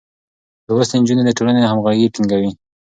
لوستې نجونې د ټولنې همغږي ټينګوي.